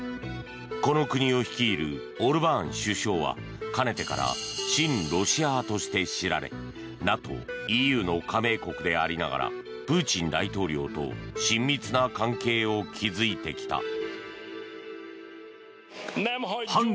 この国を率いるオルバーン首相はかねてから親ロシア派として知られＮＡＴＯ、ＥＵの加盟国でありながら、プーチン大統領と親密な関係を築いてきた。